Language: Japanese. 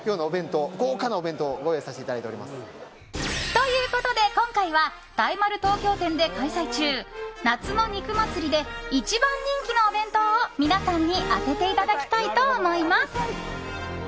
ということで、今回は大丸東京店で開催中夏の肉まつりで１番人気のお弁当を皆さんに当てていただきたいと思います。